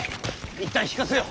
一旦引かせよ。